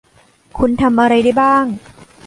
คุณทำอะไรได้บ้าง ?